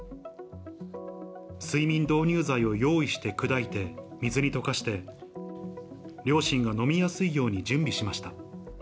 睡眠導入剤を用意して砕いて、水に溶かして、両親が飲みやすいように準備しました。